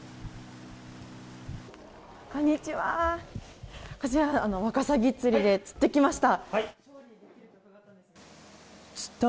こちらワカサギ釣りで釣ってきました。